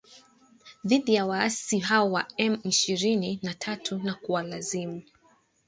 dhidi ya waasi hao wa M ishirini na tatu na kuwalazimu